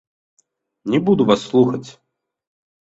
Не буду вас слухаць.